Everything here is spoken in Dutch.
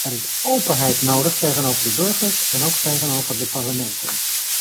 Er is openheid nodig tegenover de burgers en ook tegenover de parlementen.